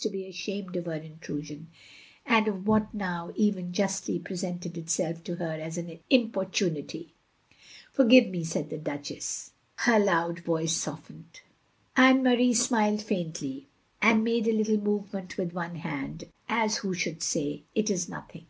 to be ashamed of her intrusion, and of what now even justly presented itself to her as her importtmity. Forgive me," said the Duchess, — ^her loud voice softened. Anne Marie smiled faintly, and made a little movement with one hand, as who should say, It is nothing.